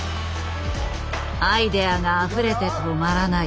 アイデアがあふれて止まらない。